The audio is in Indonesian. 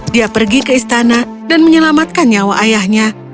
dia pergi ke istana dan menyelamatkan nyawa ayahnya